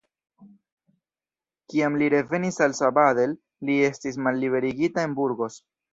Kiam li revenis al Sabadell, li estis malliberigita en Burgos.